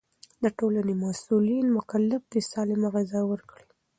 د ټولنې مسؤلين مکلف دي سالمه غذا ورکړي.